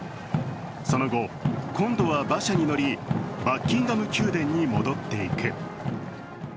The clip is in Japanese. その後、今度は馬車に乗りバッキンガム宮殿に戻っていく。